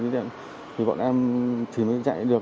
thì bọn em thì mới chạy được